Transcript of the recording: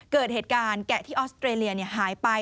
เกิดเหตุการณ์แกะที่ออสเตรเลียหายไป